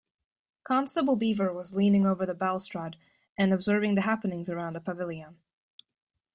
Constable Beaver was leaning over the balustrade and observing the happenings around the pavilion.